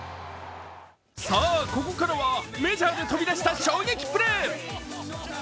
ここからはメジャーで飛び出した衝撃プレー。